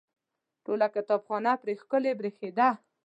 ټوله کتابخانه پرې ښکلې برېښېده.